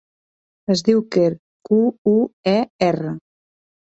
Es diu Quer: cu, u, e, erra.